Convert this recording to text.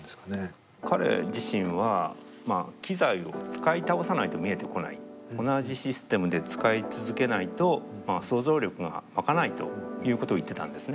彼自身はまあ機材を使い倒さないと見えてこない同じシステムで使い続けないとまあ想像力が湧かないということを言ってたんですね。